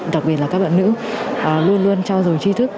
đặc biệt là các bạn nữ luôn luôn trao dồi chi thức